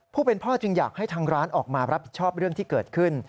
ผู้เป็นพ่อจึงอยากให้ทางร้านออกมารับผิดชอบเรื่องที่เกิดขึ้น